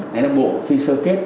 nánh hạ bộ khi sơ kết